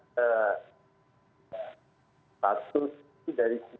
status itu dari